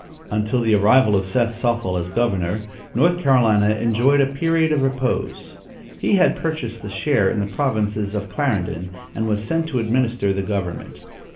Until the arrival of Seth Sothel as governor, North Carolinia enjoyed a period of repose. He had purchased a share in the provinces of Clarendon, and was sent to administer the government.